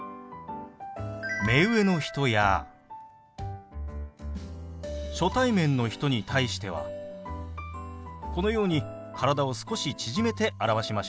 目上の人や初対面の人に対してはこのように体を少し縮めて表しましょう。